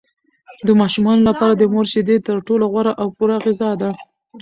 د ماشومانو لپاره د مور شیدې تر ټولو غوره او پوره غذا ده.